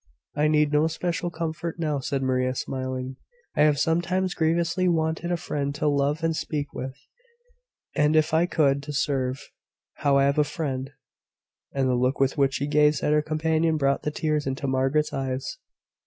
"I need no special comfort now," said Maria, smiling. "I have sometimes grievously wanted a friend to love and speak with and if I could, to serve. Now I have a friend." And the look with which she gazed at her companion brought the tears into Margaret's eyes.